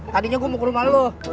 tadinya gue mau ke rumah lo